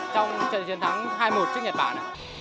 trong trận chiến thắng hai một trước nhật bản